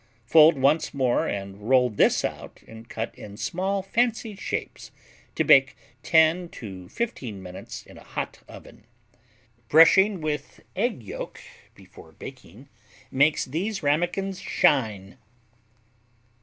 Fold once more and roll this out and cut in small fancy shapes to bake 10 to 15 minutes in a hot oven. Brushing with egg yolk before baking makes these Ramekins shine.